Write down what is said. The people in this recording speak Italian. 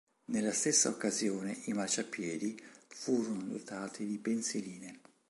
Nella stessa occasione i marciapiedi furono dotati di pensiline.